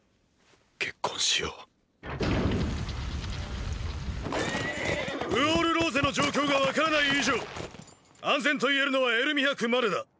結婚しよウォール・ローゼの状況がわからない以上安全と言えるのはエルミハ区までだ。